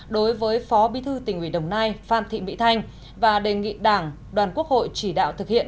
đối với phó bí thư tỉnh ủy đồng nai phan thị mỹ thanh và đề nghị đảng đoàn quốc hội chỉ đạo thực hiện